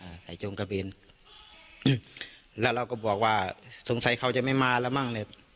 ใส่จงกระเบนแล้วเราก็บอกว่าสงสัยเขาจะไม่มาแล้วมั่งเนี้ย